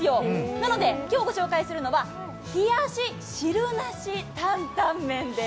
なので今日ご紹介するのは冷やし汁なし担担麺です。